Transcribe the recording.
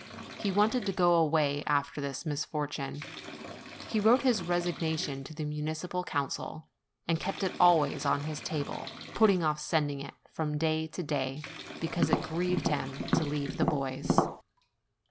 He wanted to go away after this misfortune; he wrote his resignation to the Municipal Council, and kept it always on his table, putting off sending it from day to day, because it grieved him to leave the boys.